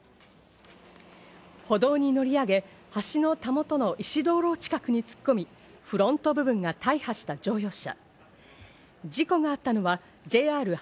歩道に乗り上げ橋のたもとの石灯籠近くに突っ込み、フロント部分が大破した乗用車。